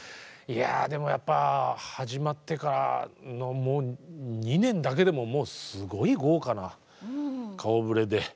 いやでもやっぱ始まってからのもう２年だけでももうすごい豪華な顔ぶれで。